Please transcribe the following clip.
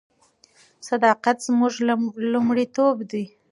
صداقت زموږ لومړیتوب دی.